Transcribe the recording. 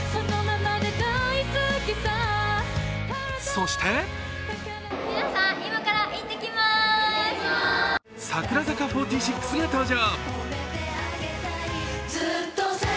そして櫻坂４６が登場。